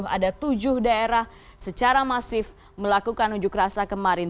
ada tujuh daerah secara masif melakukan unjuk rasa kemarin